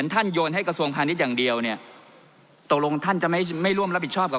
ท่านโยนให้กระทรวงพาณิชย์อย่างเดียวเนี่ยตกลงท่านจะไม่ร่วมรับผิดชอบกับ